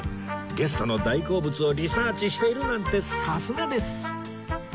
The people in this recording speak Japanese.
ゲストの大好物をリサーチしているなんてさすがです